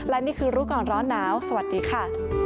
และนี่คือรู้ก่อนร้อนหนาวสวัสดีค่ะ